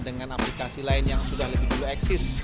dengan aplikasi lain yang sudah lebih duit